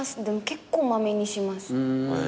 結構まめにします。